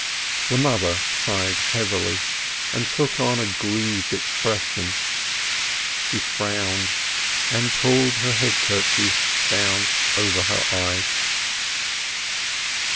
The mother sighed heavily, and took on a grieved expression; she frowned, and pulled her head kerchief down over her eyes.